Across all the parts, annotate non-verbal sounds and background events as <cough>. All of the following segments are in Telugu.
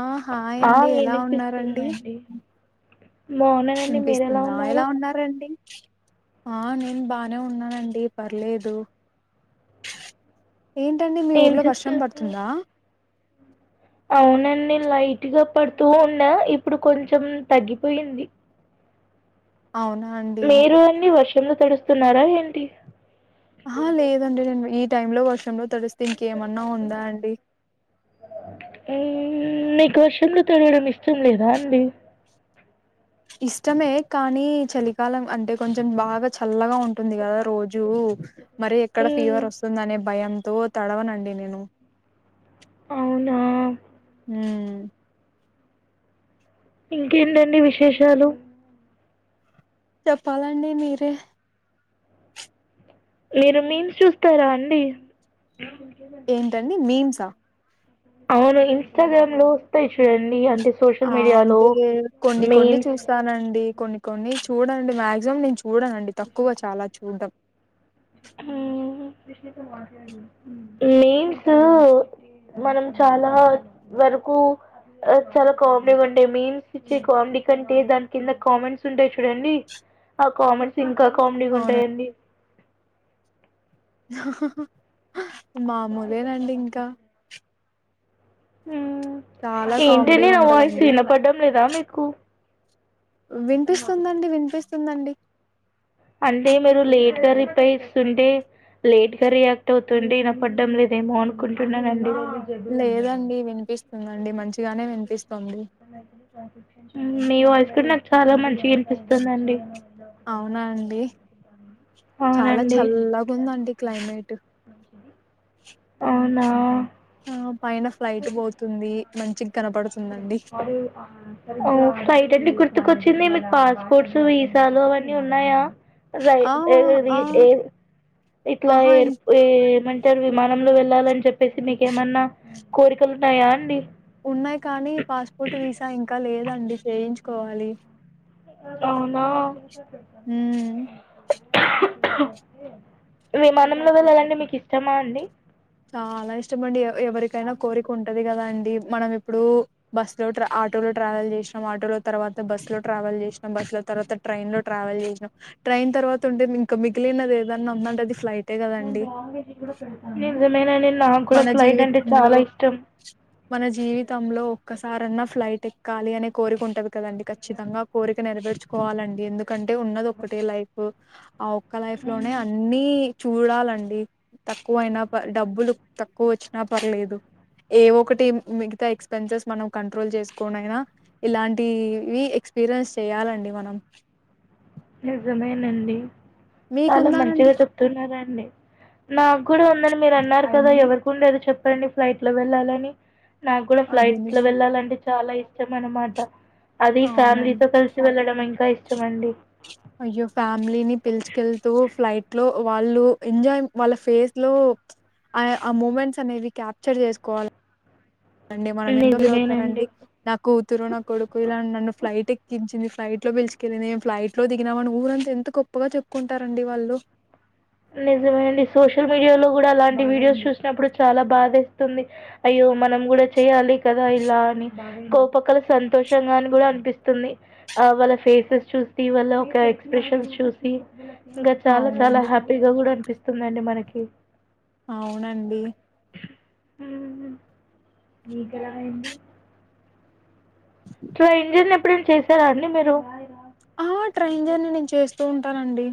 ఆ హాయ్ ఆ అండి ఎలా ఉన్నారండి వినిపిస్తుందండి. మోన వినిపిస్తుందా ఎలా ఉన్నారండి ఆ నేను బానే ఉన్నానండి పర్లేదు. ఏంటండి మీ ఏం ఊర్ళో వర్షం చేస్తున్నారు పడుతుందా అవునండి లైట్గా పడుతూ ఉండే ఇప్పుడు కొంచెం తగ్గిపోయింది. అవునా అండ్ మీరు అండి వర్షంలో తడుస్తున్నారా ఏంటి. అహా లేదండి నేను ఈ టైమ్ లో వర్షంలో తడుస్తే ఇంకేమన్నా ఉందా అండి. ఏ మీకు వర్షంలో తడవడం ఇష్టం లేదా అండి. ఇష్టమే కానీ చలికాలం అంటె కొంచెం బాగా చల్లగా ఉంట్. టుంది గదా రోజూ మరి ఎక్కడ మ్మ్, ఫీవర్ వస్తుంది అనే భయంతో తడవనండి నేను. అవునా ఊ ఇంకేంటండి విశేషాలు చెప్పాలండి మీరే మీరు మీమ్స్ చూస్తారా అండి ఏంటండి మీమ్స్ ఆ అవును ఇన్స్టాగ్రామ్ లో వస్తాయి చూడండి అంటె ఆ అంటే కొన్ని కొన్ని మీమ్స్ చూస్త్ తానండీ కొన్ని కొన్ని చూడనండి మాక్సిమం నేను చూడనండి తక్కువ చాలా చూడడం. ఊహు మీమ్సూ మనం చాలా వరకూ ఆ చాలా కామెడీగా ఉంటయి మీమ్స్ ఇచ్చే కామెడీ కంటే దాని కింద కామెంట్స్ ఉంటాయి చూడండీ. ఆ కామెంట్స్ ఇంకా కామెడీగా ఉంటాయి అవునండి ఏంది అహహా మామూలేనే అండి ఇంకా ఉ చాలా ఏంటి అండి కామెడీగా నా వాయిస్ ఉంటదండి వినపడం లేదా మీకు వినిపిస్తుందండి వినిపిస్తుందండి అంటే మీరు లేట్ గా రిప్లై ఇస్తుంటే లేట్ గా రియాక్ట్ అవుతుంది విన్న పడ్డం లేదు ఏమో అనుకుంటున్నానండి లేదండి వినిపిస్తుంది అండి మంచిగానే వినిపిస్తుంది మీ వాయిస్ కూడా నాకు చాలా మంచి అనిపిస్తుందిండి అవునా అండి చాలా అవునండి చల్లగా ఉంది అండి క్లైమేట్ అవునా ఆ పైన ఫ్లైట్ పోతుంది మంచి కనపడుతుందండి అవ్వ్ ఆ అవ్వ్ ఫ్లైట్ ఏంది గుర్తుకొచ్చింది మీకు పాస్పోర్ట్స్ వీసాలు అవన్నీ ఉన్నాయా రై ఆ ఆ <unintelligible> ఇట్ల ఆహా ఎయిర్ ఏ ఏమంటారు విమానంలో వెళ్ళాలని చెప్పేసి మీకేమన్నా కోరికలు ఉన్నాయా అండి ఉన్నాయి కానీ పాస్పోర్ట్ వీసా ఇంకా లేదండి చేయించుకోవాలి అవునా ఉ విమానంలో వెళ్లాలంటే మీకు ఇష్టమా అండి చాలా ఇష్టం అండి ఎవరికైనా కోరిక ఉంటది కదా అండి మనం ఇప్పుడు బస్సు లో ట్రా ఆటోలో ట్రావెల్ చేసినాం ఆటోలో తర్వాత బస్సు లో ట్రావెల్ చేసినాం బస్సు లో తర్వాత ట్రైన్ లో ట్రావెల్ చేసాం ట్రైన్ తర్వాత ఉంటే ఇంకా మిగిలినది ఏదన్నా ఉంది అంటే అది ఫ్లైట్ నిజమే నండి నాకు కూడా మన ఫ్లైట్ అంటే జీవితంలో చాలా ఇష్టం మన జీవితంలో ఒక్క సారీ అన్నా ఫ్లైట్ ఎక్కాలి అనే కోరిక ఉంటది కదా అండి ఖచ్చితంగా ఆ కోరిక్ నెరవేర్చుకోవాల అండి ఎందుకంటే ఉన్నది ఒకటే లైఫ్ ఆ వో ఒక్క లైఫ్ లోనే అన్ని చూడాలా అండి తక్కువ అయినా పా డబ్బులు తక్కువ వచ్చినా పర్లేదు ఏ వో ఒకటి మిగతా ఎక్స్పెన్సివ్స్ మనం కంట్రోల్ చేసుకుని అయినా ఇలాంటివి ఎక్స్పీరియన్స్ చెయాలండి మనం నిజమేనండి చాలా మీకుందానండి మంచిగా చెప్తున్నారాండి నాకు కూడా ఉంద నీ మీరు అన్నారు కదా ఎవరికి ఉందు చెప్పండి ఫ్లైట్ లో వెళ్ళాలని నాకు కూడా అదే ఫ్లైట్ లో నిజం వెళ్ళాలంటే చాలా ఇష్టం అన్నమాట అది అవునండి ఫ్యామిలీతో కలసి వెళ్ళడం ఇంకా ఇష్టంమండి అయ్యో ఫ్యామిలీని పిలుచుకెళ్తూ ఫ్లైట్ లో వాళ్ళు ఎంజాయ్ వాళ్ళ ఫేస్ లో ప్చ్ ఆ ఆ మూమెంట్స్ అనేవి క్యాప్చర్ చేసుకోవాల అండి మనం <unintelligible> నిజమేనండి. తారండి నా కూతురు నా కొడుకు ఇలా నన్ను ఫ్లైట్ ఎక్కించింది లైట్ లో పిలుచుకెళ్ళింది ము ఫ్లైట్ లో దిగినామని ఊరంత ఎంత గో గొప్పగా చెప్పుకుంటారండి వాళ్ళు నిజమే అండి సోషల్ మీడియాలో కూడా అలాంటి వీడియోస్ చూసినప్పుడు చాలా బాధేస్తుంది అయ్యో మనం కూడా చెయ్యాలి కదా ఇలా అని కోపకల సంతోషంగాని కూడా అనిపిస్తుంది ఆ వాళ్ళ ఫేసెస్ చూసి వాళ్ళ ఒక ఎక్స్ప్రెషన్స్ చూసి ఇంకా చాలా చాలా అవునండి హ్యాపీగా కూడా అనిపిస్తుందిండి మనకి అవునండి ఉ నీకు ఎలా అయింది ట్రైన్ జర్నీ ఎప్పుడు అన్న చేసారా అండి మీరు ఆ ట్రైన్ జర్ని నేన్ చేస్తూ ఉంటానండి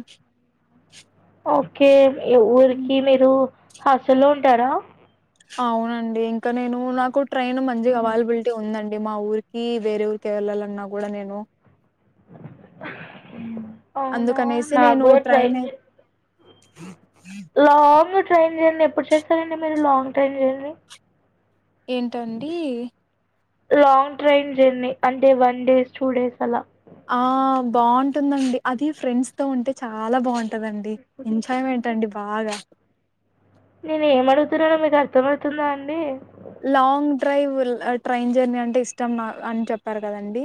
ఓకే యే హ్మ్. ఊరికి మీరు హాస్టల్లో ఉంటారా అవునండి ఇంకా నేను నాకు ట్రైన్ మంచిగా అవైలబిలిటీ ఉందండి మా ఊర్ ఈ వేరే ఊరికి వెళ్ళలన్నా కూడా నేను అవునా అందుకనేసి నా కూడా ట్రైన్ జర్న్ హ లాంగ్ ట్రైన్ జర్నీ ఎప్పుడు చేస్తారండి మీరు లాంగ్ ట్రైన్ జర్నీ ఏంటండి లాంగ్ ట్రైన్ జర్నీ అంటే వన్ డేస్ టూ డేస్ అలా ఆ బాగుంటుందండి అది ఫ్రెండ్స్ తో ఉంటే చాలా బాగున్ ఉంటదండి ఎంజాయ్మెంట్ అండి బాగా నేను ఏం అడుగుతున్నానో మీకు అర్థమవుతుందా అండి లాంగ్ డ్రైవ్ ఆ ట్రైన్ జర్నీ అంటే ఇష్టం నా అన్ చెప్పారు కదండి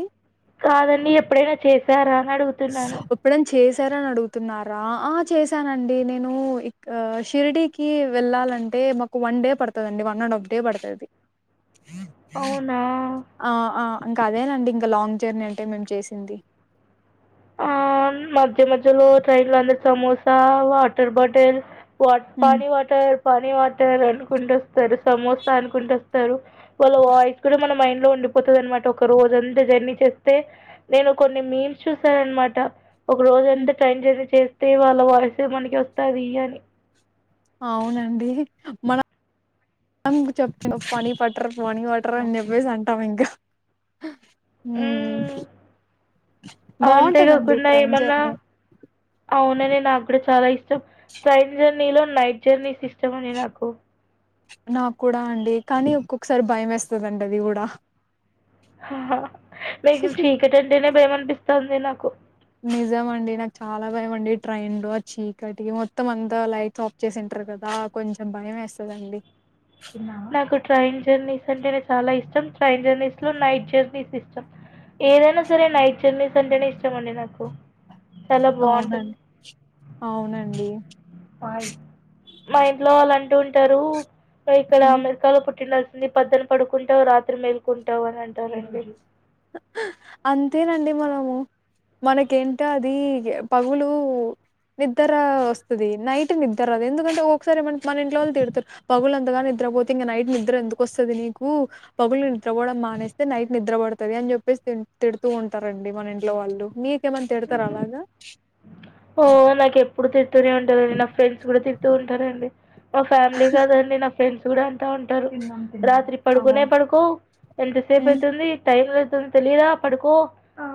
కాదండి ఎప్పుడైనా చేసారా అని అడుగు ఓకే ఎప్పుడన్ చేశారన్డుగుతున్నారా ఆ చేశానండి నేను ఇక్ ఆ షిరిడి కి వెళ్ళాలంటే మాకు వన్ డే పడుతదండి వన్ అండ్ హాఫ్ డే పడ్తది అవునా ఆ ఆ ఇంకా అదేనండి ఇంకా లాంగ్ జర్నీ అంటే మేమ్ చేసేది ఆ మధ్య మధ్యలో ట్రైన్ లో అమ్మే సమోసా వాటర్ బాటిల్ వా హ్మ్. పానీ వాటర్ పానీ వాటర్ అనుకుంట వస్తరు సమోసా అనుకుంట వస్తరు వాళ్ళ వాయిస్ కూడా మన మైండ్ లో ఉండ్ పోతదనమాట ఒక రోజ అంతే జర్నీ చేస్తే నేను కొన్ని మీమ్స్ చూసాననమాట ఒక రోజు హ్మ్. అంతా టైం జర్నీ చేస్తే వాళ్ళ వాయిస్ మనకి వస్తది అవునండి మనం చెప్ పానీ వాటర్ పానీ వాటర్ టర్ అని చెప్పేసి అంటాం ఇంకా హ్మ్. ఉమ్ బాగుంటదండి అంతేకాకుండా ట్రైన్ ఏమన్నా జర్నీ అవునండి నాకు కూడా చాలా ఇష్టం ట్రైన్ జర్నీలో నైట్ జర్నీస్ ఇష్టం అండి నాకు నాక్కుడా అండి కానీ ఒక్కొక్సారి భయమేస్తదండి అది గూడా మీకు చీకటంటేనే భయం అనిపిస్తాంది నాకు నిజం అండి నాక్చాలా భయమండి ట్రైండు ఆ చీకటి మొత్తం అంతా లైట్స్ వచ్చేసింట్రకదా కొంచెం భయమేస్తదండ్ నాకు ట్రైన్ జర్నీస్ అంటేనెచాలా ఇష్టం ట్రైన్ జర్నీస్ లో నైట్ జర్నీస్ ఇష్టం ఏదైనా సరే నైట్ జర్నీస్ అంటేనే ఇష్టం అండి నాకు చాలా బావుంటుంది. అవునన్ అవునండి మా ఇంట్లో వాళ్ళు అంటూ ఉంటారు పైఇక్కడ హ్మ్. అమెరికాలో పుట్టిన నీ పక్కన పడుకుంటావు రాత్రి మేలుకుంటావు అని అంటారండి అంతేనండి మనము మనకేంటొ అది పవులూ నిద్దర వస్తది నైట్ నిద్దరాద్ ఎందుకంటే ఒక్కోసారి మన్ మన ఇంట్లో వాళ్ళు తిడతరు పగులంతగా నిద్రపోతే ఇంక నైట్ నిద్రఎందుకు వస్తది నీకు పగులు నిద్రపోడం మానేస్తే నైట్ నిద్రపడ్ తది అన్ చెప్పేసితిం తిడుతూ ఉంటారండి మన ఇంట్లో వాళ్ళు మీకేమన్ తిడతరా అలాగా ఓ నాకే ఎప్పుడు తిడుతూనే ఉంటారె నా ఫ్రెండ్స్ కూడా తిడుతూ ఉంటారండి మా ఫ్యామిలీ కదండి ఫ్రెండ్స్ కూడా అంటా ఉంటారు, రాత్రి పడుకోనే అవును. పడుకోవు హ్మ్. ఎంతసేపయితుంది టైం అయితుంది తెలీదా పడుకో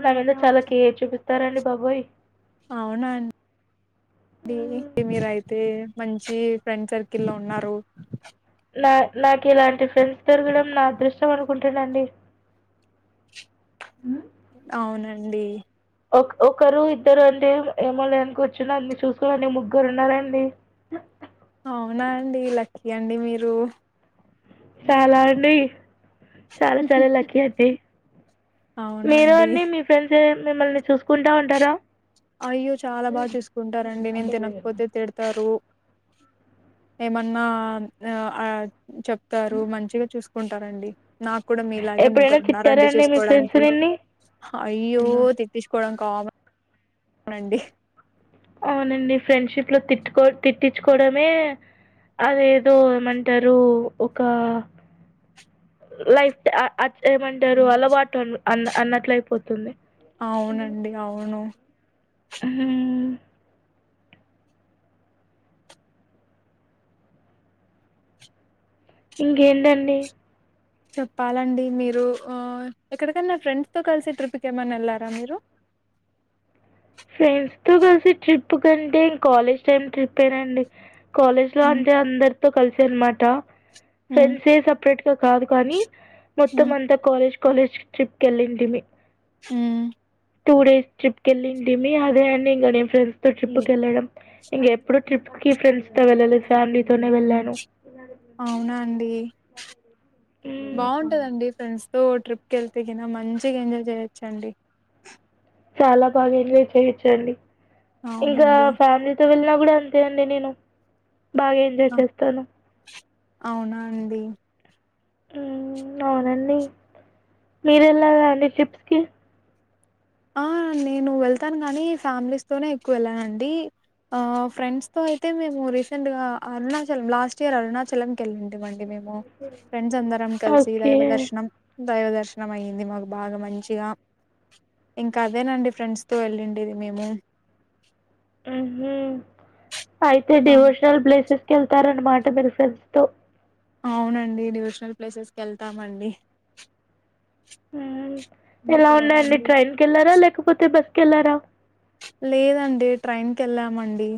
అనని చాలా కేర్ చూపిస్తారండి బాబోయ్. అవునా అండి, మీరయి అయితే మంచి ఫ్రెండ్ సర్కిల్లో ఉన్నారు. నా నాకిలాంటి ఫ్రెండ్స్ దొరకడం నా అదృష్టం అనుకుంటానండి. అవునండి ఒక్ ఒకరు ఇద్దరు అంటే ఏమోలే అనుకోవచ్చు, నన్ను చూసుకోడానికి ముగ్గురు ఉన్నారండి. అవునా అండి, లక్కీ అండి మీరు. చాలా అండి, చాలా చాలా లక్కీ అండి. అవునా మీరు అండి. అండీ, మీ ఫ్రెండ్స్ మిమ్మల్ని చూసుకుంటా ఉంటారా? అయ్యో చాలా బాచూసుకుంటారండి, నేను తినకపోతే తిడతారు. ఏమన్నా ఆ ఆ చెప్తారు, మంచిగ చూసుకుంటారంండి. నాక్కుడా మీలాగే ఎప్పుడైనా తిట్టారా ముగ్గురున్నారండి అండి మీ ఫ్రెండ్స్ చూసుకోడానికి. నిన్ని అయ్యో, తి తీసుకోడం కామ నండి అవునండి ఫ్రెండ్షిప్ లో తిట్టుకొ తిట్టించుకోడమే అదేదో ఏమంటారు ఒక లైఫ్ అ ఆ ఏమంటారు అలవాటు అ అన్నట్లు అయిపోతుంది. అవునండి అవును హ్మ్ ఇంకేంటండి చెప్పాలండి, మీరు ఆ ఎక్కడికన్నా ఫ్రెండ్స్ తో కలిసి ట్రిప్ కి ఏమన్నా ఎళ్లారా మీరు? ఫ్రెండ్స్ తో కలిసి ట్రిప్పుకంటే ఇం కాలేజ్ టైమ్ ట్రిప్పేనండి కాలేజ్ లో హ్మ్ అంటే అందరితో కలిసి అనమాట. హ్మ్ ఫ్రెండ్సే సపరేట్ తోకాదు కానీ మొత్తం హ్మ్ అంతా కాలేజ్ కాలేజ్ ట్రిప్ కెళ్ళింటిమి. హ్మ్ టూ డేస్ ట్రిప్ కెళ్ళింటిమి, అదే అండి ఇంగ నేను ఫ్రెండ్స్ తో ట్రిప్పుకెళ్ళడం. ఇంగెప్పుడు ట్రిప్ కి ఫ్రెండ్స్ తో వెళ్ళలే, ఫ్యామిలీతోనే వెళ్ళాను. అవునా అండి, మ్మ్ అవును. బావుంటదండి ఫ్రెండ్స్ తో ట్రిప్ కెళ్తే గినా, మంచిగ ఎంజాయ్ చేయొచ్చండి. చాలా బాగా ఎంజాయ్ చేయొచ్చండి, ఇంకా అవునండి ఫ్యామిలీ తో వెళ్ళినా గూడా అంతే అండి నేను, బాగా ఎంజాయ్ ఆ, చేస్తాను. అవునా అండి మ్ అవునండి, మీరు వెళ్ళారా అండి ట్రిప్స్ కి? ఆ నేను వెళ్తాను కానీ ఫ్యామిలీస్ తోనే ఎక్కువ వెళ్ళానండి. ఫ్రెండ్స్తో అయితే మేము రీసెంట్గా అరుణాచలం లాస్ట్ ఇయర్ అరుణాచలంకి ఎల్లింటిమి అండి మేము. ఫ్రెండ్స్ అందరం కలిసి ఓకే దైవ దర్శనం, దైవ దర్శనం అయ్యింది మాకు బాగా మంచిగా. ఇంకా అదేనండి ఫ్రెండ్స్ తో వెళ్ళిండేది మేము. ఉహూ అయితే ఆ! డివోషనల్ ప్లేసెస్ కి వెళ్తారన్నమాట మీరు ఫ్రెండ్స్ తో. అవునండి, డివోషనల్ ప్లేసెస్ కి వెళ్తామండి. ఎలా ఉందండీ, ట్రైన్కి వెళ్లారా లేకపోతే బస్సుకి వెళ్ళారా? లేదండి ట్రైన్ కి వెళ్ళామండి.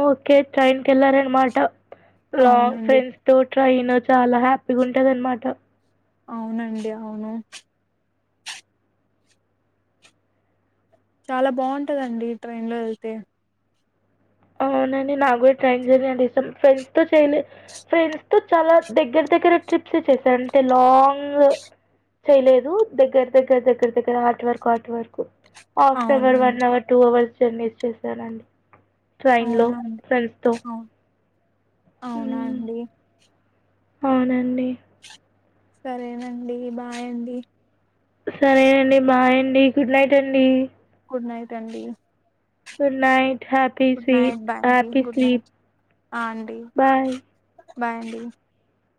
ఓకే ట్రైనుకెళ్ళారన్నమాట, లాంగ్ అవునండి <unintelligible> తో ట్రైన్ చాలా హ్యాపీగా ఉంటది అనమాట. అవునండి అవును చాలా బావుటాదండి ట్రైన్ లో వెళ్తే అవునండి నాకు కూడా ట్రైన్ జర్నీ అంటే ఇష్టం ఫ్రెండ్స్ తో చెయలే ఫ్రెండ్స్ తో చాలా దగ్గర దగ్గర ట్రిప్స్ చేశా అంతే లాంగ్ చేయలేదు దగ్గర దగ్గర దగ్గర దగ్గర art work art work half an hour అవునండి one hour two hours journeys చేశానండి ట్రైన్లో అవునా అండి ఫ్రెండ్స్తో అవును అవునా అండి అవునండి సరేనండి బాయండి సరే అండి బాయ్ అండి గుడ్ నైట్ అండి గుడ్ నైట్ అండి గుడ్ నైట్ హాప్ గుడ్ నైట్ బాయ్ అండి గుడ్ నైట్ ఆ అండి బాయ్ బాయ్ అండి